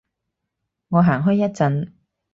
我行開一陣